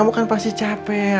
kamu kan pasti capek